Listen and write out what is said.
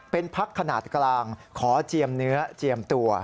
เป็นพักขนาดกลางขอเจียมเนื้อเจียมตัว